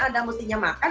anda mestinya makan